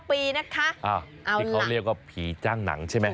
ปีนะคะที่เขาเรียกว่าผีจ้างหนังใช่ไหม